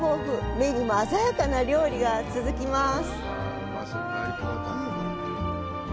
目にも鮮やかな料理が続きます。